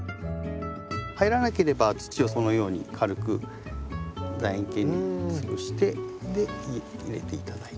入らなければ土をそのように軽くだ円形に潰して入れて頂いて。